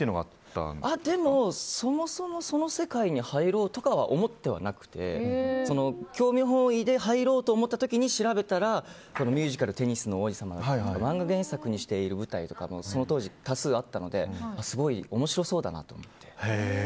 そもそもその世界に入ろうとは思ってはなくて興味本位で入ろうと思った時に調べたらミュージカル「テニスの王子様」とか漫画原作にしている舞台とかがその当時多数あったのですごい面白そうだなと思って。